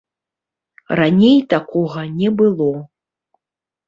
Раней такога не было.